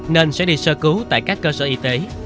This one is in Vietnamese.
nên sẽ đi sơ cứu tại các cơ sở y tế